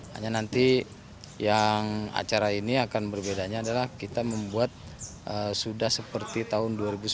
hanya nanti yang acara ini akan berbedanya adalah kita membuat sudah seperti tahun dua ribu sembilan belas